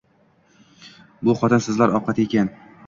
Bu xotinsizlar ovqati ekan